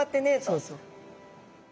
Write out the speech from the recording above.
そうそう。